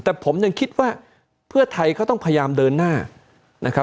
แต่ผมยังคิดว่าเพื่อไทยเขาต้องพยายามเดินหน้า